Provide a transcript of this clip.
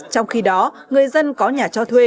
trong khi đó người dân có nhà cho thuê